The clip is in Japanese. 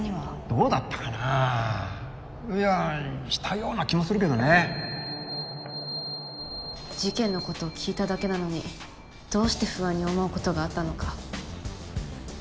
どうだったかいやしたような気もするけどね事件のことを聞いただけなのにどうして「不安」に思うことがあったのか。